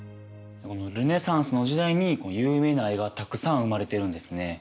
ルネサンスの時代にこの有名な絵がたくさん生まれているんですね。